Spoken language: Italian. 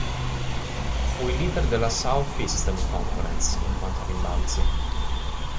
Fu il leader della Southeastern Conference in quanto a rimbalzi.